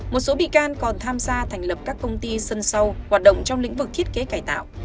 một số bị can còn tham gia thành lập các công ty sân sau hoạt động trong lĩnh vực thiết kế cải tạo